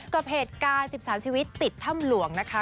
กับเหตุการณ์๑๓ชีวิตติดถ้ำหลวงนะคะ